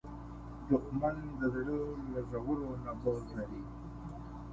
دښمن د زړه له ژورو نه بغض لري